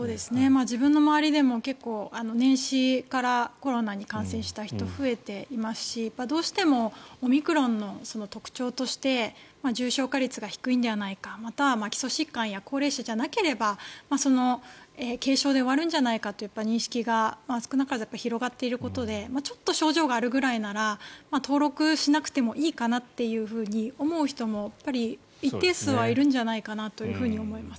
自分の周りでも年始からコロナに感染した人が増えていますしどうしてもオミクロンの特徴として重症化率が低いんじゃないかまたは基礎疾患や高齢者じゃなければ軽症で終わるんじゃないかという認識が少なからず広がっていることでちょっと症状があるくらいなら登録しなくてもいいかなと思う人も、一定数はいるんじゃないかなと思います。